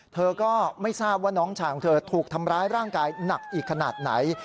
เธอก็ไม่ทราบว่าน้องชายของเธอถูกทำร้ายร่างกายหนักอีกขนาดไหน